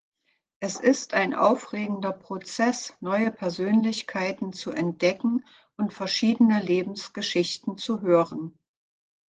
Es ist ein aufregender Prozess, neue Persönlichkeiten zu entdecken und verschiedene Lebensgeschichten zu hören.